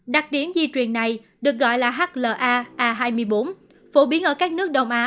đặc điểm di truyền này được gọi là hla a hai mươi bốn phổ biến ở các nước đông á